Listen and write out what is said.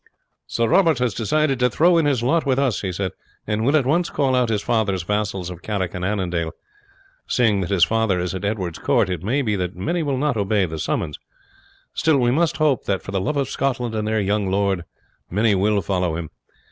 "Sir Robert has decided to throw in his lot with us," he said, "and will at once call out his father's vassals of Carrick and Annandale. Seeing that his father is at Edward's court, it may be that many will not obey the summons. Still we must hope that, for the love of Scotland and their young lord, many will follow him.